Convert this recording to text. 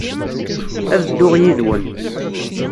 Ad dduɣ yid-wen.